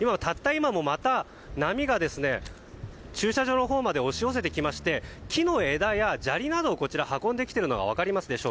今もまた波が駐車場のほうまで押し寄せてきまして木の枝や砂利などを運んできているのが分かりますか。